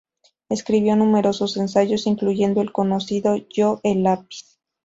Escribió numerosos ensayos incluyendo el conocido "Yo, el lápiz".